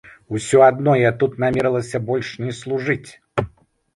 Усё адно я тут намерылася больш не служыць.